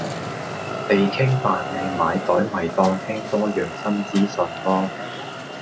地傾扮靚買袋咪當聽多樣新資訊囉